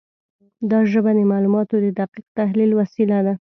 دا ژبه د معلوماتو د دقیق تحلیل وسیله ده.